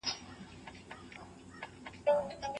نیکه ویل چي دا پنځه زره کلونه کیږي